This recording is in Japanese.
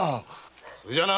そいじゃあな！